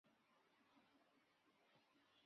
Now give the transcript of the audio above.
曾祖父石永清。